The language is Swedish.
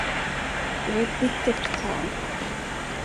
Det var ett bittert tal.